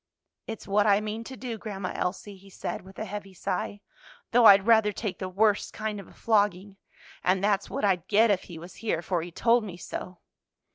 "It's what I mean to do, Grandma Elsie," he said with a heavy sigh, "though I'd rather take the worst kind of a flogging. And that's what I'd get if he was here, for he told me so."